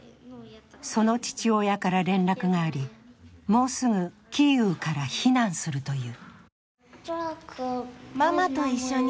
その父親から連絡がありもうすぐキーウから避難するという。